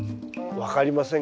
分かりませんか？